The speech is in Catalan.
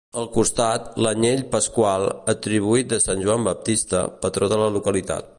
Al costat, l'anyell pasqual, atribut de sant Joan Baptista, patró de la localitat.